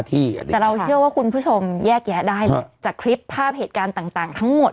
แต่เราเชื่อว่าคุณผู้ชมแยกแยะได้เลยจากคลิปภาพเหตุการณ์ต่างทั้งหมด